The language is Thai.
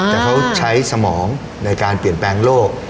แต่เขาใช้สมองในการเปลี่ยนแปลงโรค